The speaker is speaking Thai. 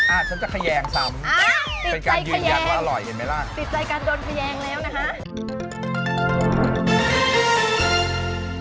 อ่ะฉันจะแขยงซ้ำ